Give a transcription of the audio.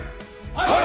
はい！